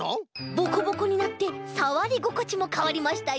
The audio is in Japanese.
ボコボコになってさわりごこちもかわりましたよ。